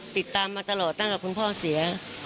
ติดตามมาตลอดตั้งวันกลับเวลาคุณพ่อเสีย